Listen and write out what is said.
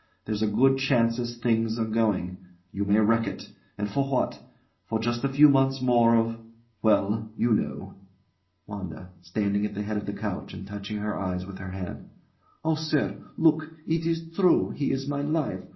There's a good chance as things are going. You may wreck it. And for what? Just a few months more of well you know. WANDA. [Standing at the head of the couch and touching her eyes with her hands] Oh, sir! Look! It is true. He is my life.